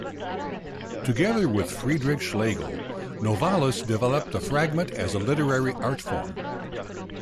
Together with Friedrich Schlegel, Novalis developed the fragment as a literary artform.